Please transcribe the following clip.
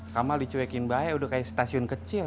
kamal dicuekin bahaya udah kayak stasiun kecil